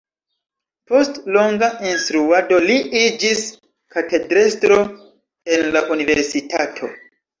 Post longa instruado li iĝis katedrestro en la universitato.